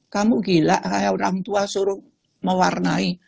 kamu gila orang tua suruh mewarnai